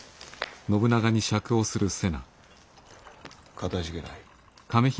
かたじけない。